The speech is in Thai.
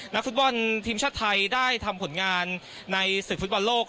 นักฟุตบอลทีมชาติไทยได้ทำผลงานในศึกฟุตบอลโลก